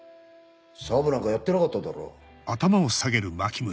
シャブなんかやってなかっただろ。